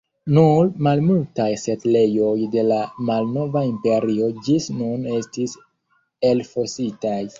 Nur malmultaj setlejoj de la Malnova Imperio ĝis nun estis elfositaj.